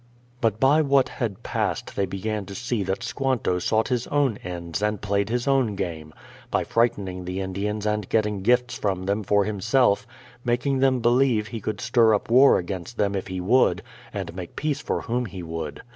But by what had passed they began to see that Squanto sought his own ends and played his own game, by fright ening the Indians and getting gifts from them for himself, making them believe he could stir up war against them if he would, and make peace for whom he would.